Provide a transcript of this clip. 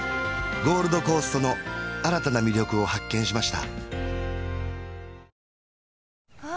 ゴールドコーストの新たな魅力を発見しました